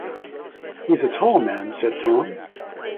‘“He’s a tall man,” said Tom.